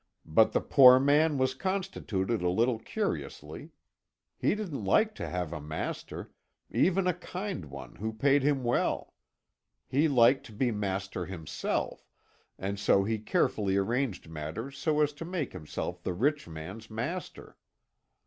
But the poor man was constituted a little curiously. He didn't like to have a master, even a kind one who paid him well. He liked to be master himself, and so he carefully arranged matters so as to make himself the rich man's master.